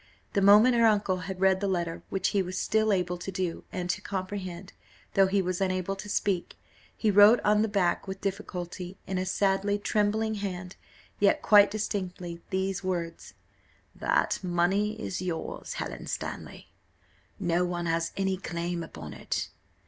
The moment her uncle had read the letter, which he was still able to do, and to comprehend, though he was unable to speak, he wrote on the back with difficulty, in a sadly trembling hand, yet quite distinctly, these words: "That money is yours, Helen Stanley: no one has any claim upon it.